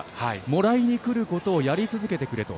もらいにくることをやり続けてくれと。